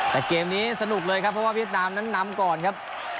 แต่เกมนี้สนุกเลยครับเพราะว่าเวียดนามนั้นนำก่อนครับ